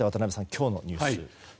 今日のニュース。